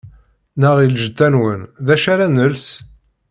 Neɣ i lǧetta-nwen: D acu ara nels?